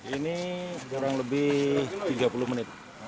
ini kurang lebih tiga puluh menit